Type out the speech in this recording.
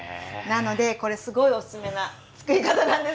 なのでこれすごいオススメなつくり方なんですよ。